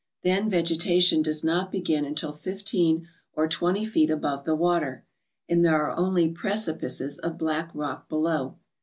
Then vegetation does not begin until flfteen or twenty feet above the water, and there are only precipices of black rock below.